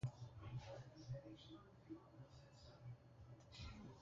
The small community contains three flea markets.